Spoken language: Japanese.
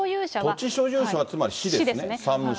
土地所有者はつまり市ですね、山武市。